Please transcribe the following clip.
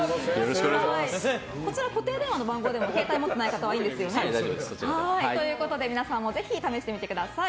こちら、固定電話の番号でも携帯を持ってない方は大丈夫です。ということで、皆さんもぜひ試してみてください。